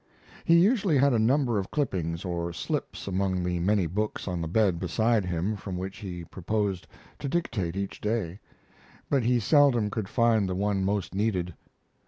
He usually had a number of clippings or slips among the many books on the bed beside him from which he proposed to dictate each day, but he seldom could find the one most needed.